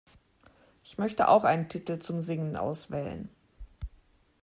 Ich möchte auch einen Titel zum Singen auswählen.